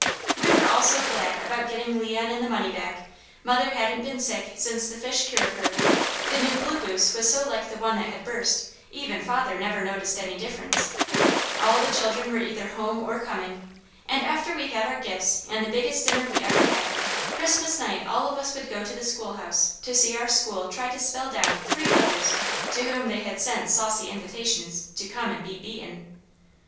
We were all so glad about getting Leon and the money back; mother hadn't been sick since the fish cured her; the new blue goose was so like the one that had burst, even father never noticed any difference; all the children were either home or coming, and after we had our gifts and the biggest dinner we ever had, Christmas night all of us would go to the schoolhouse to see our school try to spell down three others to whom they had sent saucy invitations to come and be beaten.